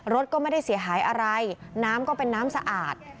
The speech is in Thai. รถก็ไม่ได้เสียหายอะไรน้ำก็เป็นน้ำสะอาด